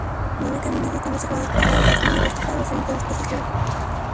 Nueve cabinas están reservadas para la dotación, y el resto para los eventuales pasajeros.